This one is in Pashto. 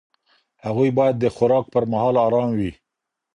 هغوی باید د خوراک پر مهال ارام وي.